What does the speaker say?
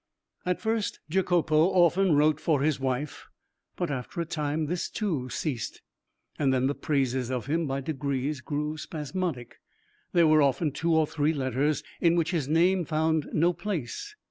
At first Jacopo often wrote for his wife, but after a time this too ceased. Then the praises of him by degrees grew spasmodic. There were often two or three letters in which his name found no place.